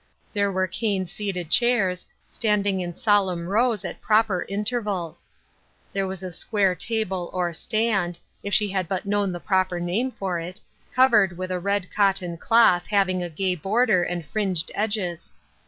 There were cane seated chairs, standing in solemn rows at proper intervals. There was a square table or "stand," if she had but known the proper name for it, covered with a red cotton cloth having a gay border and fringed edges.